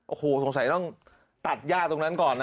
โอ้โหสงสัยต้องตัดย่าตรงนั้นก่อนนะ